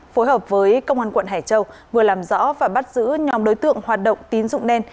phối hợp với công an quận hải châu vừa làm rõ và bắt giữ nhóm đối tượng hoạt động tín dụng đen